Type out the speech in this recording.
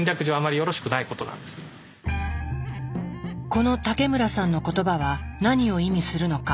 この武村さんの言葉は何を意味するのか？